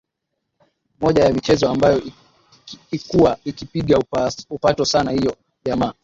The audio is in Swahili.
moja ya michezo ambayo ikuwa ikipiga upato sana hiyo jana